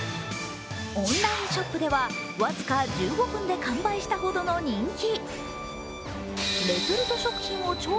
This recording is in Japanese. オンラインショップでは僅か１５分で完売したほどの人気。